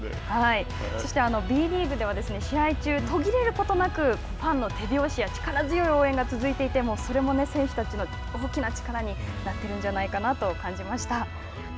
そして、Ｂリーグでは試合中途切れることなくファンの手拍子や力強い応援が続いていてそれも選手たちの大きな力になってるんじゃないかなと感じました。